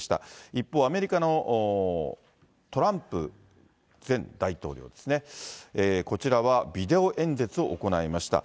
一方、アメリカのトランプ前大統領ですね、こちらはビデオ演説を行いました。